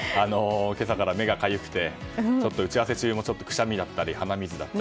今朝から目がかゆくて打ち合わせ中も、ちょっとくしゃみだったり鼻水だったり。